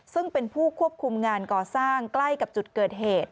ซึ่งเป็นผู้ควบคุมงานก่อสร้างใกล้กับจุดเกิดเหตุ